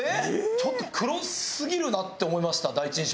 ちょっと黒すぎるなって思いました第一印象。